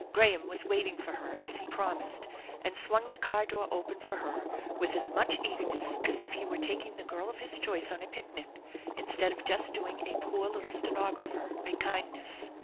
Graham was waiting for her as he promised, and swung the car door open for her with as much eagerness as if he were taking the girl of his choice on a picnic instead of just doing a poor little stenographer a kindness.